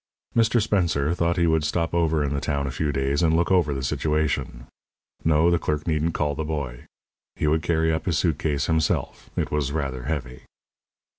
Mr. Spencer thought he would stop over in the town a few days and look over the situation. No, the clerk needn't call the boy. He would carry up his suit case, himself; it was rather heavy.